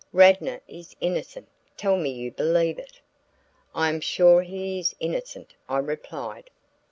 "Radnor is innocent; tell me you believe it." "I am sure he is innocent," I replied.